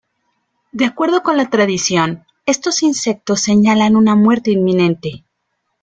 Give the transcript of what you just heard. De acuerdo con la tradición, estos insectos señalan una muerte inminente.